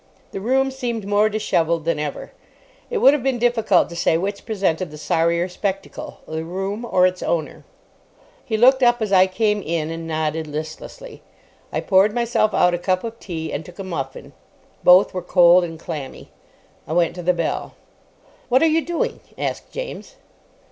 The room seemed more dishevelled than ever. It would have been difficult to say which presented the sorrier spectacle, the room or its owner. He looked up as I came in, and nodded listlessly. I poured myself out a cup of tea, and took a muffin. Both were cold and clammy. I went to the bell. "What are you doing?" asked James.